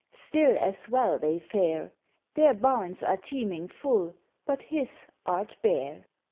Still as well they fare; Their barns are teeming full; but his art bare.